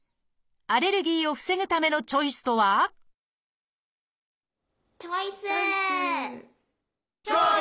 アレルギーを防ぐためのチョイスとはチョイス！